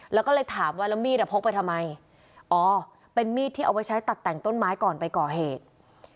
แล้วก็เลยถามว่าแล้วมีดอ่ะพกไปทำไมอ๋อเป็นมีดที่เอาไว้ใช้ตัดแต่งต้นไม้ก่อนไปก่อเหตุ